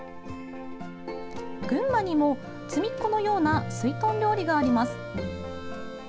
群馬にも、「つみっこ」のようなすいとん料理があります。